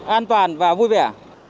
an toàn và vui vẻ